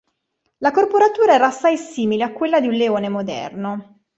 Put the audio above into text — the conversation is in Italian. La corporatura era assai simile a quella di un leone moderno.